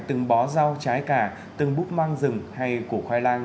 từng bó rau trái cà từng búp mang rừng hay củ khoai lang